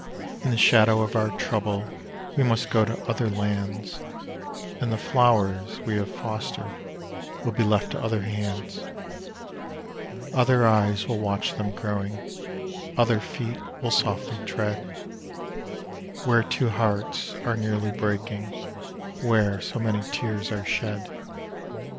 In the shadow of our trouble we must go to other lands, And the flowers we have fostered will be left to other hands: Other eyes will watch them growing other feet will softly tread Where two hearts are nearly breaking, where so many tears are shed.